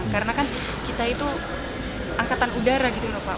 karena kan kita itu angkatan udara gitu loh pak